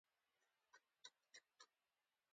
د مقعد د زخم لپاره د ویټامین اي تېل وکاروئ